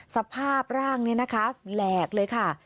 สภาพร่างนี้นะคะแหลกเลยค่ะ